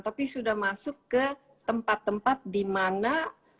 tapi sudah masuk ke tempat tempat dimana